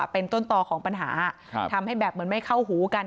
เป็นต้นต่อของปัญหาทำให้แบบเหมือนไม่เข้าหูกัน